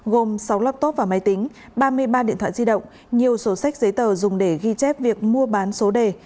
gồm sáu laptop và máy tính ba mươi ba điện thoại di động nhiều sổ sách giấy tờ dùng để ghi chép việc mua bán số đề